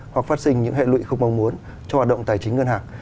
hoặc phát sinh những hệ lụy không mong muốn cho hoạt động tài chính ngân hàng